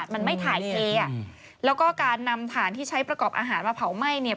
มันไม่ถ่ายเทอ่ะแล้วก็การนำฐานที่ใช้ประกอบอาหารมาเผาไหม้เนี่ย